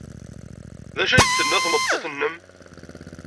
D acu ay d-tenna tmeṭṭut-nnem?